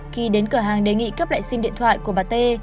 khi đến cửa hàng đề nghị cấp lại sim điện thoại của bà t